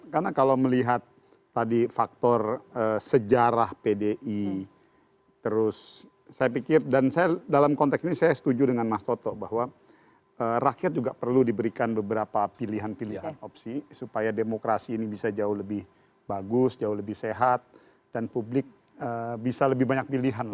karena kalau melihat tadi faktor sejarah pdi terus saya pikir dan saya dalam konteks ini saya setuju dengan mas toto bahwa rakyat juga perlu diberikan beberapa pilihan pilihan opsi supaya demokrasi ini bisa jauh lebih bagus jauh lebih sehat dan publik bisa lebih banyak pilihan lah